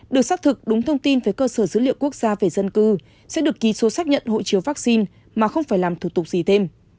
được xác thực đúng thông tin về cơ sở dữ liệu quốc gia về dân cư sẽ được ký số xác nhận hộ chiếu vaccine mà không phải làm thủ tục gì thêm